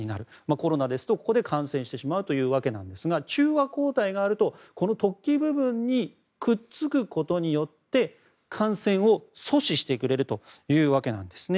コロナですと、ここで感染してしまうということですが中和抗体があるとこの突起部分にくっつくことによって感染を阻止してくれるというわけなんですね。